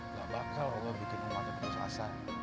gak bakal allah bikin umatnya penuh sasar